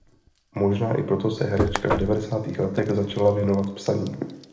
Možná i proto se herečka v devadesátých letech začala věnovat psaní.